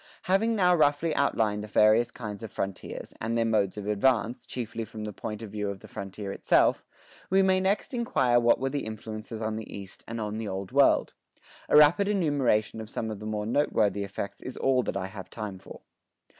Having now roughly outlined the various kinds of frontiers, and their modes of advance, chiefly from the point of view of the frontier itself, we may next inquire what were the influences on the East and on the Old World. A rapid enumeration of some of the more noteworthy effects is all that I have time for.